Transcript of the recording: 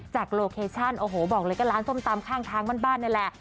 จากโลเคชั่นบอกเลยก็ล้านส้มตำข้างบ้านนี่แหละ